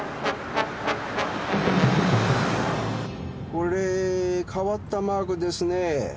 これ変わったマークですね。